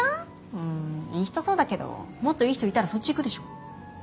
うーんいい人そうだけどもっといい人いたらそっちいくでしょ？